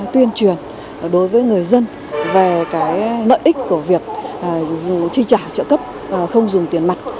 tuyên truyền đối với người dân về nợ ích của việc tri trả trợ cấp không dùng tiền mặt